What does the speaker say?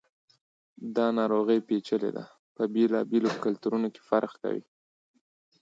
دا ناروغي پیچلي ده، په بېلابېلو کلتورونو کې فرق کوي.